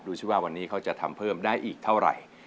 ซิว่าวันนี้เขาจะทำเพิ่มได้อีกเท่าไหร่